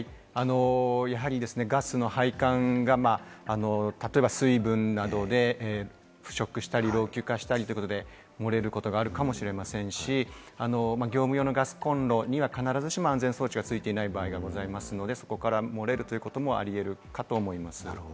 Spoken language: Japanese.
やはりガスの配管が、例えば水分などで腐食したり老朽化したりということで、漏れることがあるかもしれませんし、業務用のガスコンロには必ずしも安全装置は付いていない場合がございますので、そこから漏れることもあり得ます。